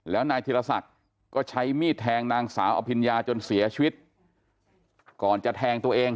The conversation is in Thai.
แล้วนายธิรศักดิ์ก็ใช้มีดแทงนางสาวอภิญญาจนเสียชีวิตก่อนจะแทงตัวเอง